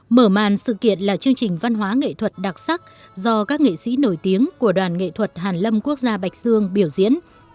mở màn sự kiện là chương trình văn hóa nghệ thuật đặc sắc do các nghệ sĩ nổi tiếng của đoàn nghệ thuật hàn lâm quốc gia bạch dương biểu diễn